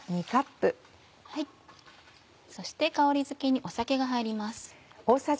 そして香りづけに酒が入ります。